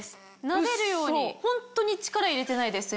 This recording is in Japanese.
なでるようにホントに力入れてないです